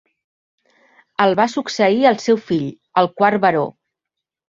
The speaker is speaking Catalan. El va succeir el seu fill, el quart baró.